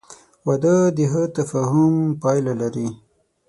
• واده د ښه تفاهم پایله لري.